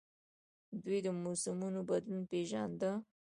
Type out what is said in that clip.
دوی د موسمونو بدلون پیژانده